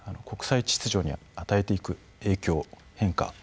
国際秩序に与えていく影響変化